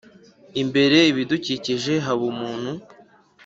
Imbere ibidukikije haba umuntu